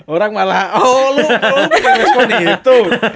orang malah oh lu bukan respon gitu